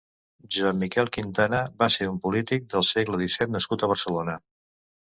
Josep Miquel Quintana va ser un polític del segle disset nascut a Barcelona.